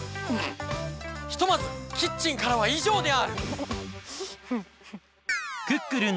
ひとまずキッチンからはいじょうである！